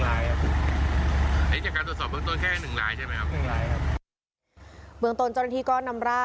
นำร่างส่วนลูกเอกแพทย์ครับนะครับครับบริเวณที่เขามาในครั้งนี้ค่ะ